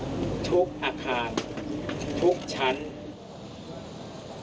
ทุกอาคารทุกชั้น